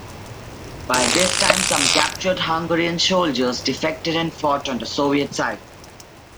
By this time, some captured Hungarian soldiers defected and fought on the Soviet side.